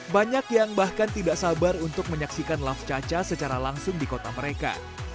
banyak yang bahkan tidak sabar untuk menyaksikan laf caca secara langsung di kota mereka